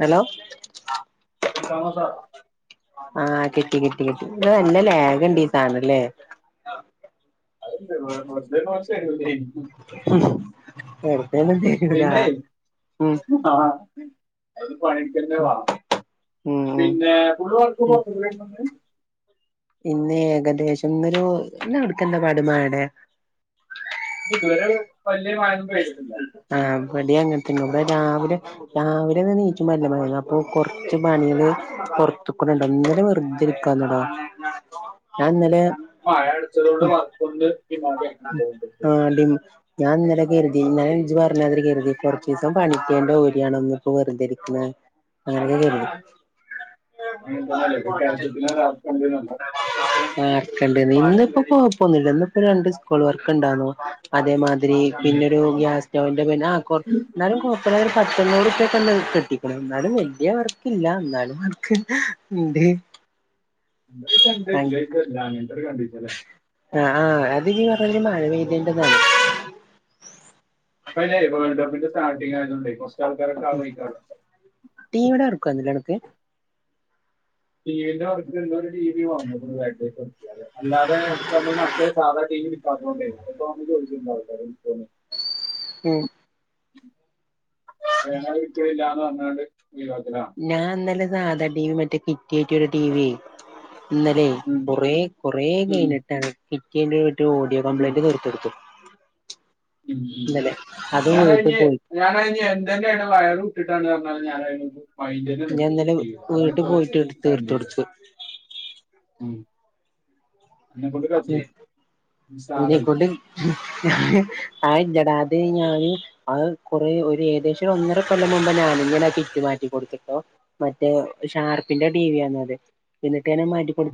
Hello കെൽക്കമോ sir കിട്ട കിട്ടി കിട്ടി അ നല്ല ലേഖ ഇണ്ട് ഈ സാധനല്ലേ [unintelligible] എടത്തന്നല പിന്നെ ഉ [unintelligible] പണിക്കണ്ട വേണം ഉം ഉം പിന്നെ പുള്ള് വക്കുമ്പോ പിന്നെ ഏകദേശംന്നൊരു എന്നാ കൊടുക്കണ്ട പടുമാടെ ഇതുവരെ വല്യ മഴ പെയ് ആഹ് ബടിയങ്ങ പിന്നെ ഇവിടെ രാവിലെ രാവിലെ ഒ നീക്ക്മ്പല്ലേ മ അപ്പൊ കൊറച്ച് പണികള് പുറത്ത്ക്കുന്നുണ്ട് ഇങ്ങനെ വെറുതെയിരിക്കാതടാ ഞാൻ ഇന്നലെ മഴ അടുത്തതോടെ വർക്കൊന്ന് ഈ മഴ എന്ന് തോന്ന് കിട്ടും ആഹ് ഡിം ഞാൻ ഇന്നല കരുതി ഇന്നലേണ് പറഞ്ഞതി കരുതി കുറച്ചീസം പണിക്കേന്റെ ഓരിയാണ്ന്ന് ഇപ്പ വെറുതെ ഇരിക്കുന്ന അങ്ങനെയിരിക്ക അങ്ങനെ തന്നെയല്ലേ ഒരു കയറ്റത്തിന് ഒരാൾക്കുണ്ട് ആക്കണ്ട ഇന്നിപ്പോ കൊഴപോന്നില്ല ഇന്നിപ്പോ രണ്ടീസം ഫുൾ വർക്ക്ണ്ടാര്ന്നോ അതേമാതിരി പിന്നൊരു ഗ്യാസ് [unintelligible] ു പട്ടുന്നോട്പ്പ കെട്ടിക്കണം എന്നാലും വല്യ വർക്കില്ല എന്നാലും അവർക്ക് ഉണ്ട് [unintelligible] ഒര്കണ്ടിച്ചലെ അ ആ അതി നീ പറഞ്ഞെ മഴ പെയ്തേന്റതാ അയ്ലെ വേൾഡ് കപ്പ്ന്റെ സ്റ്റാർട്ടിങ്ങായതോണ്ടെ കൊർച് ഉം ടീവ്ടെ വർക്ക്വായ്ര്ന്നില്ലെ എടക്ക് ടീവിന്റെ വർക്ക് ഇന്നൊരു ടീവി വാന്ന്ക്ക്ണു [unintelligible] അല്ലാതെ പ്പ മ്മള് മറ്റേ സാധാ ടീവി അപ്പാമ്മി അപ്പാമ്മി ചോയച്ച്ര്ന്നു ആൾക്കാരെ [unintelligible] ഉം ഞങ്ങള്ട്ക്ക്ണ്ല്ലാന്ന് പർഞ്ഞാണ്ട് ഞാന് ഇന്നലെ സാധാ ടീമ് മറ്റേ പി കേറ്റിയൊരു ടി വിയേ ഇന്നലെ ഉം, കൊറേ കുറേ ഉം, കഴിഞ്ഞിട്ടാണ് കിക്കി ഒരു ഓഡിയോ ഉം, കംപ്ലയിന്റ് തീർത്തൊട്ത്തു ഉം ഉം അത് വീട്ടിൽ ഞാനയിഞ്ഞേ പോയി ഞാനയിഞ്ഞേ [unintelligible] വയറ് വിട്ട്ട്ടാണ്റഞ്ഞാലും ഞറായി അയിന്റെത് ഞാൻ ഇന്നലെ [unintelligible] വീട്ടിൽ അതാണ്പ്പോ പോയിട്ട് തീർത്ത് കണ്ടീഷൻ കൊടുത്തു ഉം [unintelligible] സാറല്ലേ ഇതിനെക്കൊണ്ട് ഞാ അത് ഇല്ലടാ അത് ഞാന് അത് കുറെ ഒര് ഏകദേശം ഒന്നര കൊല്ലം മുമ്പ് ഞാനിങ്ങനെ ചിറ്റ്മാറ്റി കൊട്ത്ത്ട്ടോ മറ്റേ ഷാർപ്പിന്റെ ടി വി ആണത് പിന്നെ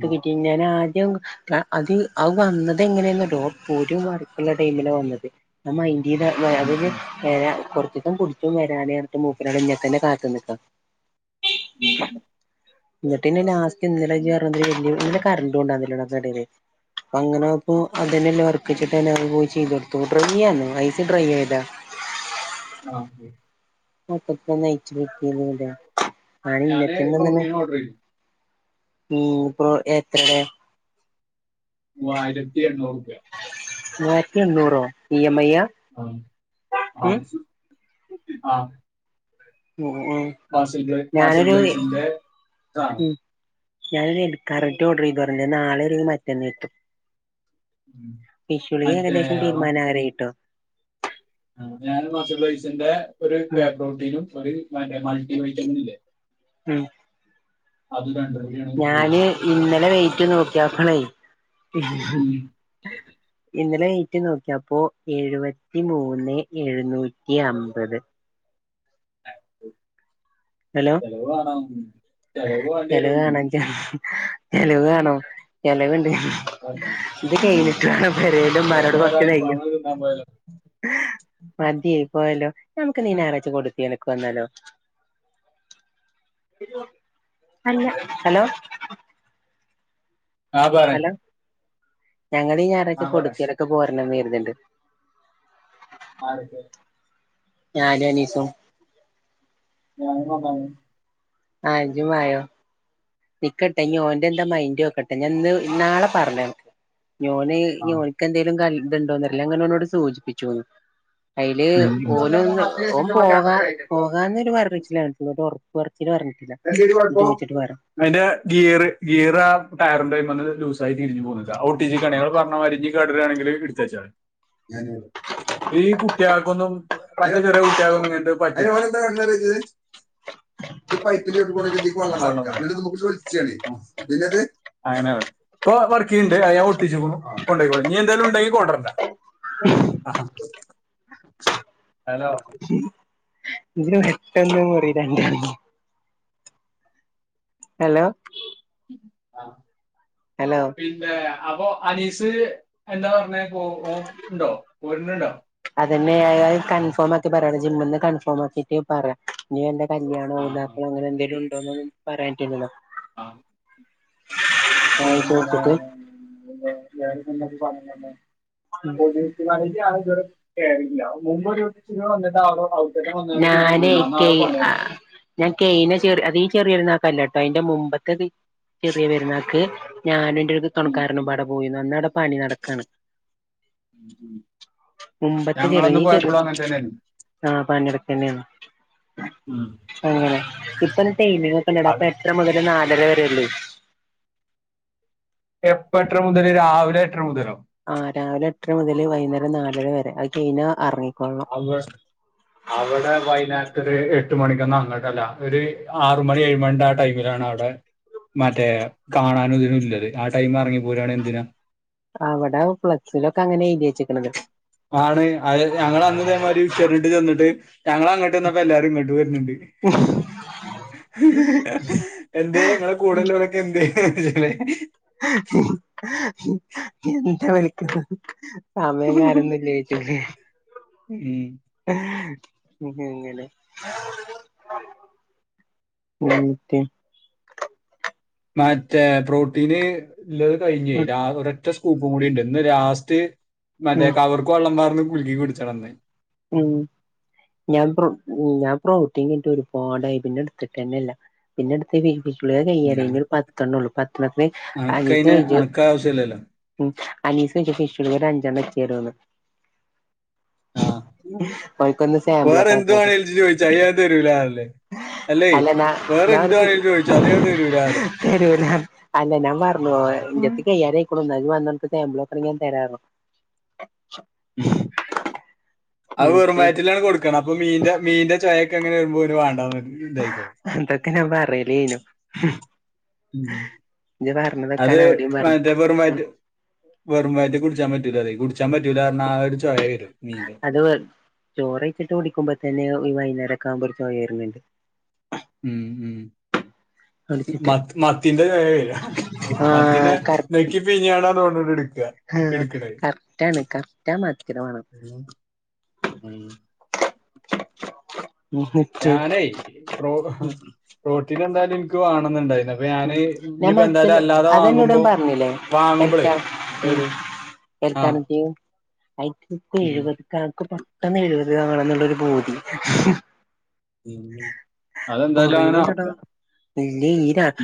ഉം, [unintelligible] [unintelligible] അത് ആ വന്നത് എങ്ങനെയന്നറിയോ പോരവറക്കുള്ള ടൈമിലെ വന്നത് ന ഇത് ഉം, അതിന് ഉം, ഞാ കൊട് ഇപ്പൊ പുടിച്ചും വരാനെറ്ഞ്ഞ്ട്ടും മൂപ്പരോവ്ടെ ഇന്നേ തന്നെ കാത്ത് നിക്കാ ഉം ഞ്ഞ്ട്ടിന്നേ നാ ഇന്നലേജ്ജ് [unintelligible] കഴിഞ്ഞു ലെ കറണ്ട്ണ്ടാവില്ലടാ പെരേല് അങ്ങനെ നോക്കുമ്പോ അതന്നെ വർക്കയിച്ചിട്ട് എനർവ്യൂ ചെയ്തോട്ത്തു ഡ്രൈയ്യ്ന്നേ ഐസി ഡ്രൈ ആയതാ ആ ഒക്കെ [unintelligible] ന്നോന്നയിച്ച് നോക്കിയതുല്ലാ ഞാന് ഇങ്ങനെത്തന്നോന്ന് പ്രോട്ടീൻ ഓർഡർ ചെയ്തു [unintelligible] എത്രടെ മൂവായിരത്തി എണ്ണൂറ്പ്പ്യ മൂവായിരത്തി എണ്ണൂറോ നി ആ ആ ആ ഉം ഉം മാഷിൽ ബ്ല മാഷിൽ ഞാനൊരു ബ്ലൈസിന്റെ സാനം ഉം ഞാനൊരു കററ്റ് ഓർഡർയ്തുറഞ്ഞ്ലെ നാളോരു മറ്റന്നേക്ക് ഉം. വിഷുളി മറ്റേ ഏകദേശം തീരുമാനാകാറായിട്ടോ ആ ഞാനും മാസ്റ്റർ ബ്ലൈസിന്റെ ഒരു ഉം പ്രേ പ്രോട്ടീനും ഒരു മറ്റേ മൾട്ടി [unintelligible] ഉം അത് കണ്ട് ഞാന് ഇന്നലെ വൈ നോക്ക്യോക്കെണെ ഉം. പിന്നെ ന്നെലെണീറ്റ് നോക്ക്യപ്പോ എഴുവത്തി മൂന്ന് എഴ്ന്നൂറ്റി അമ്പത് ചെലവാണം ചെലവാണം ചെ ചെലവ് വാണം ചെലവ്ണ്ട് ഇത് കെയ്ഞ്ഞിട്ട് പെരേല്മ്മാനോട് ചെലവ് കൊർച്ച് കയ്ഞ്ഞോ ഒരൽഫാമ് തിന്നാൻ പോയാലോ മത്യെ പോയലാ ഞമക്ക്ന്ന ഈ ഞായറായ്ച്ച കൊടുത്ത്യല ക്ക് വന്നാലോ അല്ല ഹലോ ആഹ് പറെ ഞങ്ങളീ ഞാറായ്ച കൊടുക്കേലൊക്കെ പോരണം വി [unintelligible] ആരക്കെ ഞാനും അനീസും ഞാനും പോന്നാലോ ആ ഇജും വായോ നിക്ക്ട്ടെ ഇനി ഓൻ്റെ എന്താ മൈൻ ഡോക്കട്ടെ ഞാൻ ഇന്ന് നാളെ പറഞ്ഞേരാ ഇഞോന് ആ ഇഞോൻക്കെന്തേലും കൽ ത്ണ്ടോന്നറീല ഞാങ്ങനോനോട് സൂചിപ്പിച്ചു അയില് ഓനൊന്ന് ഓൻ പോകാ പോകാന്നൊരു [unintelligible] പൊർ സിലു അറഞ്ഞിട്ടില്ല ഇനി ചോയ്ച്ചിട്ട് വറാം അയിന്റെ ഗീർ ഗിയർ ആ ടയറിന്റെയ് മന്ന് ലൂസായി തിരിഞ്ഞു പോന്ന്ക്ക അ അ ഒട്ടിച്ച്ക്കാണേയ് അയാള് പറഞ്ഞ മാരി ഇഞ്ഞ് കേടേരാണെങ്കില് ഇട്ത്തെച്ചാളിം ഞാനേ ഈ കുട്ടികൾക്കൊന്നും പറ്റെ ചെറിയ കുട്ടികളൊന്നും ഇങ്ങൻത്തെ പറ്റൂ [inaudible] അയ്ന് ഓനെന്താ പർണ് അറ്യോ ഇജ് ഇത് പറ്റ് ഇപ്പൊ വർക്ക്യ്യ്ണ്ട് അത് ഞാൻ ഒട്ടിച്ചു ക്കുണു കൊണ്ടയ്ക്കോളും ഇഞ്ഞ് എന്തേലും ഇണ്ടെങ്കി കൊണ്ട്രണ്ട. അഹ ഹലോ ഇതിന് വെട്ടൊന്ന് മുറി രണ്ട് ഹലോ ആഹ് ഹലോ പിന്നേ അപ്പൊ അനീസ് എന്താ പറഞ്ഞത് ഓ ഒ ഉണ്ടോ [unintelligible] അതന്നെത് കൺഫേം ആക്കി പറയണം ജിമ്മിൽ നിന്ന് കൺഫേം ആക്കിട്ട് പറയാ ഇനി എന്ത കല്യാണം ആ ആ, ഉദതാക്കള് അങ്ങനെന്തലും ഉണ്ടോന്ന് പറയട്ടന്നീകിലോ ആഹ് ഞാൻ പിന്നെ ചോദിച്ചിട്ട് പിന്നെ ഞാൻ [unintelligible] [unintelligible] [unintelligible] മുൻപോരു ദിവസം ഇവിടെ വന്നിട്ട് ആള് ഞാനെ കെയ് ആ ഞാൻ കെയ് ചെറി അത ചെറിയോരണം കല്ലട്ടോ അയിന്റെ മുമ്പത്തെത് ചെറിയ പെര്ന്നാക്ക് ഞാനും എന്റെ ഒര് തൊണക്കാരനുംപാടെ പോയീന്നു അന്നവടെ പണി നടക്കാണ് മുമ്പത്തെ ഞങ്ങളൊന്ന് ചെറിഞ്ഞീ ഈ ചെറി പോയപ്പോഴും അങ്ങനെ തന്നെയായിരുന്നു ആഹ് പണിനടക്കെന്നേണ് ആ ഇപ്പന്നെ ട്രെയിനിങൊക്കൊണ്ടെ ഡാ അത് അപ്പ എട്ടര മുതൽ നാലര വെരെ അതെ അല്ലെ എപ്പം എട്ടര മുതല് രാവിലെ എട്ടര മുതലൊ ആഹ് രാവിലെ എട്ടര മുതൽ വൈന്നേരം നാലെര വരെ അത് കഴിഞ്ഞാ അറങ്ങി അവേസ് അവടെ വൈനാട്ട്ല് എട് എട്ട് മണിക്കൊന്നും അങ്ങോട്ടല്ല ഒരു ആറ് മണി ഏഴ് മണിൻ്റെ ആ ടൈമിലാണ് അവിടെ മറ്റേ കാണാനും ഇതിനുംഇല്ലത് ആ ടൈമെ എറങ്ങിപ്പോരാണെ എന്തിനാ അവിടെ ഫ്ലെക്സിലൊക്കെ അങ്ങനെയ് ആണ് അര്ച ഞങ്ങളന്ന് ഇതേമാരി ചെരിട്ട് ചെന്നിട്ട് ഞങ്ങ അങ്ങട്ട് വന്നപ്പോ എല്ലാരും ഇങ്ങട്ട് വരാന്ണ്ട് എന്തേ ങ്ങളെ കൂടെള്ളോരോക്കെ എന്തേയ് എന്താ വിളിക്ക്ണത് സമയം കാലൊന്നില്ലേ ചെളി മ്മ് ഏ പിന്നെ എങ്ങനെ ഒരു മിനിറ്റെ മറ്റേ പ്രോട്ടീന് ഇല്ലെത് കഴിഞ്ഞേ ഉം രാവിടെ ഒറ്റ സ്കൂപ്പും കൂടിണ്ട് ഇന്ന് ലാസ്റ്റ് മറ്റേ ഉം കവർക്ക് വള്ളം പാർന്ന് കുൽക്കി കുട്ചി വെന്നേ മ്മ് ഞാൻ പ്രൊ ഞാൻ പ്രൊട്ടീനെട്ത്ത്ട്ട് ഒരുപാടായി പിന്നെടുത്തിട്ടെന്നെല്ല പിന്നെ എടുത്ത് വൈ പ്ളേ ഇന്ന് കയ്യാനായി ഞാൻ ഞ് ഒരു പത്തെണ്ണള്ളൂ പത്തെണ്ണത്തിന് അനക്കതിന് അനക്ക ആവശ്യമില്ലല്ലോ [unintelligible] അനീസ്ണ്ട് ചൊയ്ച്ണ് ഒരഞ്ചെണ്ണം ഇച്ചെരുവോന്ന് ആ ഓൻക്കൊന്ന് വേറെ എന്ത് സാമ്പാളോക്കാനാത്രേ അത് വേണേലും ഇജ്ജ് ചോദിച്ചു അത് ഞാൻ തരൂല അല്ലേ അല്ലേ അല്ല ഞാ വേറെ ഞാൻ എന്ത് [unintelligible] വേണേലും ചോദിച്ചു അത് ഞാൻ തരൂല അല്ലേ തെരൂല അല്ല ഞാ പറഞ്ഞു ൻ്റെട്ത്ത് കയ്യാനിയിക്കുണു ഒ ഇജ് വന്നൊ അൻക്ക് സേമ്പ്ളോക്കണെ ഞാൻ തരാർഞു മ്മ് അത് വെറും എന്നിട്ട് വയറ്റിൽ ആണ് കൊടുക്കണേ മീന്റെ മീന്റെ ചായ [unintelligible] വേണ്ടാന്നു [unintelligible] ക്ക് നാ [unintelligible] [unintelligible] ഉം അത് അവിടെയും പറഞ്ഞു മറ്റേ വെറും ഉം വയറ്റ് വെറുവയറ്റി കുട്ച്ചാൻ പറ്റൂലതെ കുട് ചാം പറ്റുലാർഞ്ഞ ആഹ് രു ചൊയ വരു ഹലോ ചോറെയ്ച്ചിട്ടു കുടിക്കുമ്പോ തന്നെയോ ഇ വൈന്നേരക്കാഉമ്പോൾക് ഓ വെര്ണ് ണ്ട് ഉം ഉം ഉം കുടിച്ചിട്ട് മത് മത്തിന്റെ ചൊയെ വെര. മത്തിനെ ആഹ് ന്നെക്കി പീഞ്ഞാണോ [unintelligible] ആ കറക്റ്റ് ആണ് കറക്റ്റ് ആ മത്തിടെ മണം ഉം, ഉം. ഞാനെ റോ അ ഉം റോട്ടിന് വന്നാൽ ഇൻക് വാണം ന്ന്ണ്ടായ് ഉം ഞാൻ മത്തിങ്‌ അതെന്നോട് വാങ്ങുമ്പോ അൻ പറഞ്ഞില്ലെ വാങ്ങുമ്പളേ ഏത് ആഹ് ഉം [unintelligible] ഇത് ഞാ പർഞുള്ളോരു ബോഡി അതെന്തായാലും അങ്ങനെ ആവൂല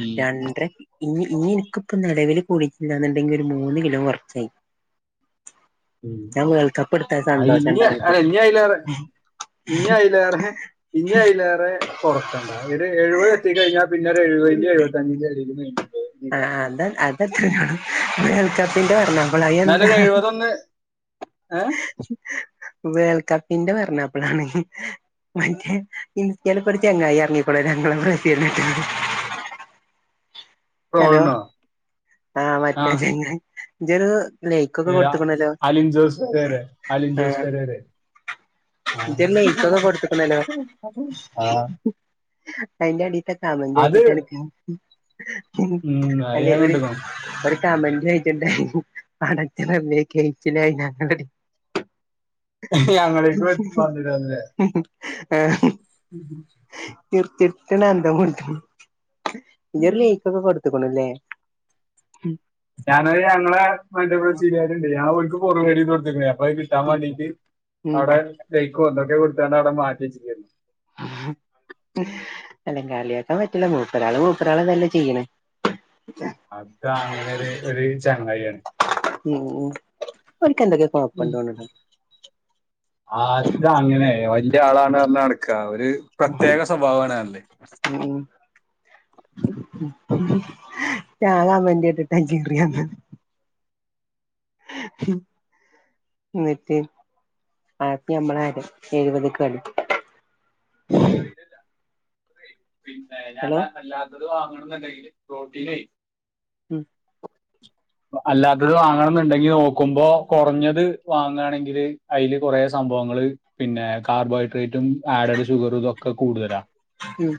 ഉം രണ്ട്ര ഇഞ്ഞി ഇഞ്ഞി ഇൻക്ക് പ്പം നെലവില് കൂടിട്ട്ണ്ടാണന്തെങ്കി മൂന്ന് കിലോ കൊർച്ചേ അയി സന്തോഷം ഞ്എ ഉണ്ടാവും എനിക്ക് ഞയിലേറെ ഞയിലേറെ ഞയിലേറെ കൊറക്കണ്ടാ ഒര് എഴുപതെത്തി കയിഞ്ഞാ പിന്നെരു എഴുവെ [inaudible] [inaudible] ആഹ് ആഹ് അത് അത്രേ ഉള്ളു [inaudible] എന്നാലും ഒര് എഴുപത് ഒന്ന് ഏഹ്. വേൾ കപ്പിന്റെ പറഞ്ഞപ്പളാണ് മറ്റേ ഇൻസ്റ്റേല് ഒക്കെ ഒര് ചെങ്ങായി എറങ്ങിക്കാണു രണ്ട് മൂന്ന് ജേഴ്‌സി ഇട്ടാണ്ട്. ഹലോ ട്രോളിനോ ആ മറ്റേ ചെങ്ങായി ജ്ജെനിത് ഏ അ അലിൻ ജോസ് പേരെരെ അലിൻ ആ ജോസ് പേരെരെ ഇജൊരു ലൈക്കൊക്കെ കൊടുത്തുക്കണല്ലോ ആഹ്. അയിന്റെ അടി കമന്റ് അത് നോക്കീട്ടാണ് ഉം അത് ഞാൻ കണ്ട്ക്കണു. മ കമന്റ് നോക്കിണ്ടായി പടച്ച റബ്ബേ കായിച്ചിലായി [unintelligible] ഞങ്ങളേക്ക് പ [unintelligible] ആഹ്. ഉം ന്ന എന്ത കൊടുത്ത ജർലി കൊടുത്തക്കണല്ലേ ഞാന് ഞങ്ങളെ മറ്റെ ചീരികരുണ്ട് ഞർക് പോറവേട് [unintelligible] പോയി കിട്ടാ ഉം വണ്ടിട്ട് ഉം അവിടെ കൊന്നൊക്കെ കൊടുത്തണ്ട് അവിടെ മാറ്റച്ചില്ലേര്ന്നൊ ആ ഹ അല്ലങ്കളിയക്കാൻ പറ്റില്ല മൂപ്പരാ ആള് മൂപ്പരാ ആള് തല്ല ചെയ്യണേ അതാ അങ്ങനെ ഒരു ഒരു ചങ്ങാായിയാണ് ഉം ഉം ഓൽക്ക് എന്തൊക്കെ കൊഴപ്പണ്ട് തോന്ന്ണ് അത അങ്ങനെയ ല്യ ആളാണ് ർഞ്ഞ ടക്കാവൻ ത് പ്രത്യേക സ്വഭാവാണ്ർഞ് ഉം ചാങ്ങാൻ വണ്ടിട്ട്ട്ടാ കേറിയത് എന്നിട്ട് ആയിരത്തി അമ്മള ആര എഴുവത്ക്ട് [inaudible] പിന്നെ ഹലോ ഞാനാണ്ടല്ലാത ത് വാങ്ണെന്നെണ്ടെങ്കില് പ്രോട്ടീൻ ഉം അല്ലാത്തത് വാങ്ങണംന്ന്ണ്ടെങ്കി നോക്കുമ്പോ കുറഞ്ഞത് വാങ്ങാണെങ്കില് അയില് കൊറേ സംഭവങ്ങള് പിന്നെ കാർബോഹൈഡ്രേ റ്റും ആഡഡ് ഷുഗറു തൊക്കെ കൂടുതലാ ഉം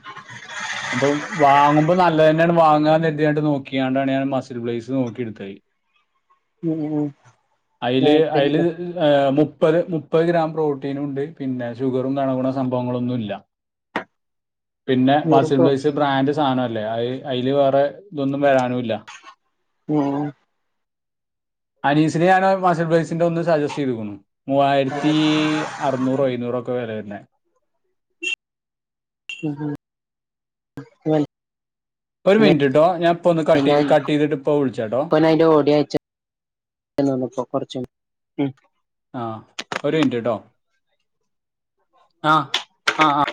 അപ്പൊ വാങ്ങുമ്പ നല്ലെന്ന വാങ്ങാനെര്ത്യാണ്ട് നോക്കിയാണ്ടാണ് ഞൻ മസിൽ ബ്ളേസ് നോകിയിട് തെയ് ഉം ഉം ആ അയില് അയില് ഇപ്പെന്താ എ മുപ് പ്പത് മുപ്പത് ഗ്രാം പ്രോട്ടീനും ഉണ്ട് പിന്നെ ഷുഗറും ന്നണകുണ സംഭവങ്ങളൊന്നുല്ല പിന്നെ വെറുപ്പോ മസിൽബ്ലൈസ് ബ്രാൻഡ് സാന ലെ അഹ് അയില് വേറെ തൊന്നും വരാനുല്ല ഉം അനീസിനെ ഞാന മഷൽ ബ്രൈസിന്റെ ഒന്ന് സജസ്റ്റ് ചെയ്ത്ക്കുന്നു മൂവായിരത്തി അറുന്നൂറോ എയുന്നൂറോ ഒക്കെ വില വര്ന്നെ ഉഉം നൽ ഒരു മിനിറ്റ്ിട്ടോ ഞാൻ പ്പ ഒന്ന് ഞാൻ കട്ട്യ്കട്ട് യ്തിട്ട് ഇപ്പ വിളിച്ചാട്ടോ ഇപ്പനയിന്റെ ഓഡിയോ അയച്ചന്നപ്പോ കൊറച്ചും ഉം ആഹ് ഒരു മിനിറ്റ്ട്ടോ ആഹ് ആ ആ